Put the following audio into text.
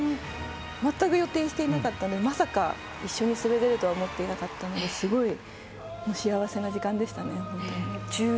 まったく予定していなかったのでまさか一緒に滑れるとは思ってなかったのですごい幸せな時間でしたね。